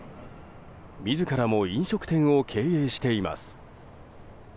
自らも飲食店を経営しています。